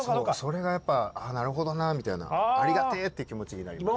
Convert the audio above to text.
それがやっぱなるほどなみたいなありがてって気持ちになります。